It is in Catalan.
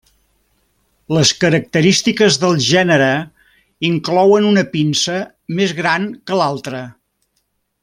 Les característiques del gènere inclouen una pinça més gran que l'altra.